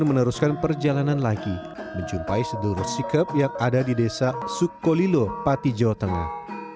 saya meneruskan perjalanan lagi mencumpai sedulur sedulur sikap yang ada di desa sukkolilo pati jawa tengah